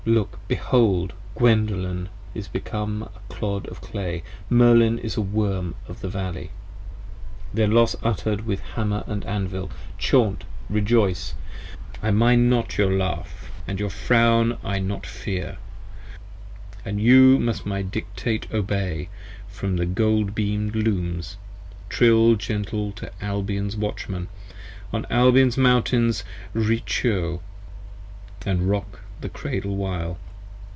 look! behold! Gwendolen Is become a Clod of Clay! Merlin is a Worm of the Valley! Then Los uttered with Hammer & Anvil: Chaunt! revoice! 30 I mind not your laugh: and your frown I not fear: and You must my dictate obey from your gold beam'd Looms: trill Gentle to Albion's Watchman, on Albion's mountains: reeccho, And rock the Cradle while!